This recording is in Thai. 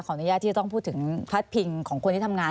อนุญาตที่จะต้องพูดถึงพัดพิงของคนที่ทำงาน